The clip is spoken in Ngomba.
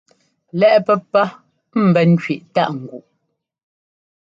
Lɛ́ꞌ pɛ́pá ḿbɛn kẅiꞌ táꞌ ŋguꞌ.